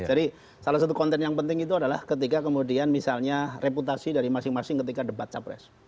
jadi salah satu konten yang penting itu adalah ketika kemudian misalnya reputasi dari masing masing ketika debat capres